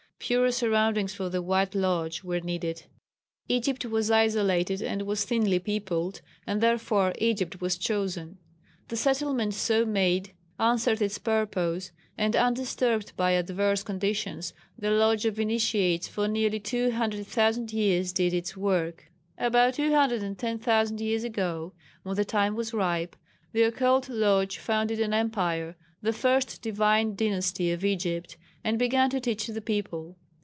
Purer surroundings for the White Lodge were needed. Egypt was isolated and was thinly peopled, and therefore Egypt was chosen. The settlement so made answered its purpose, and undisturbed by adverse conditions the Lodge of Initiates for nearly 200,000 years did its work. About 210,000 years ago, when the time was ripe, the Occult Lodge founded an empire the first "Divine Dynasty" of Egypt and began to teach the people.